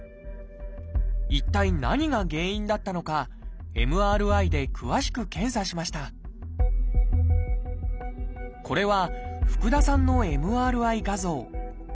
一体何が原因だったのかＭＲＩで詳しく検査しましたこれは福田さんのＭＲＩ画像。